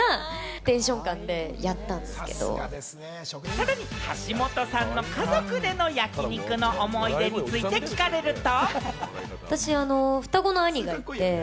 さらに橋本さんの家族での焼き肉の思い出について聞かれると。